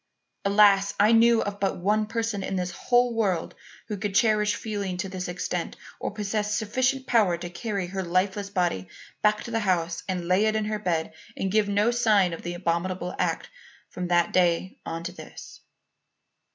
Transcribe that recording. Alas! I knew of but one person in the whole world who could cherish feeling to this extent or possess sufficient will power to carry her lifeless body back to the house and lay it in her bed and give no sign of the abominable act from that day on to this.